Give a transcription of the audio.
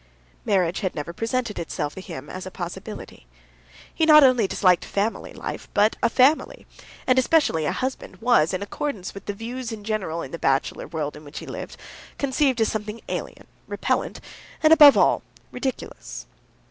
Marriage had never presented itself to him as a possibility. He not only disliked family life, but a family, and especially a husband was, in accordance with the views general in the bachelor world in which he lived, conceived as something alien, repellant, and, above all, ridiculous.